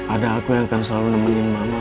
ada aku yang akan selalu nemenin mama